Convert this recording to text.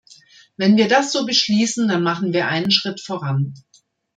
Wenn wir das so beschließen, dann machen wir einen Schritt voran.